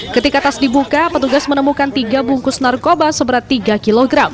ketika tas dibuka petugas menemukan tiga bungkus narkoba seberat tiga kg